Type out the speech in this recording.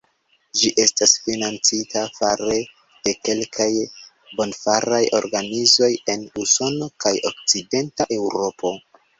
Ĝi estas financita fare de kelkaj bonfaraj organizoj en Usono kaj Okcidenta Eŭropo.